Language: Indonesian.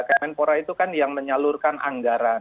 kemenpora itu kan yang menyalurkan anggaran